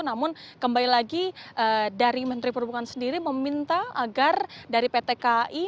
namun kembali lagi dari menteri perhubungan sendiri meminta agar dari pt kai